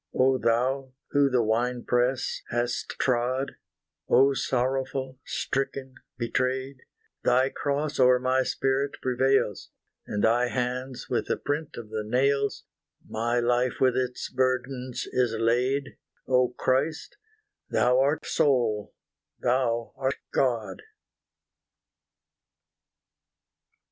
O Thou, who the wine press hast trod, O sorrowful stricken betrayed, Thy cross o'er my spirit prevails; In Thy hands with the print of the nails, My life with its burdens is laid, O Christ Thou art sole Thou art God!